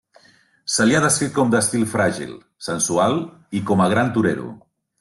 Se li ha descrit com d'estil fràgil, sensual i com a gran torero.